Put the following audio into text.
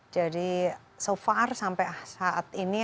jadi so far sampai saat ini